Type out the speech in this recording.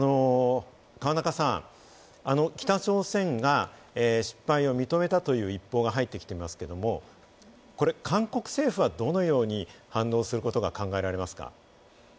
河中さん、北朝鮮が失敗を認めたという一報が入ってきていますけれども、韓国政府はどのように反応することが考えられますか？